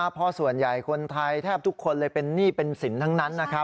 เพราะส่วนใหญ่คนไทยแทบทุกคนเลยเป็นหนี้เป็นสินทั้งนั้น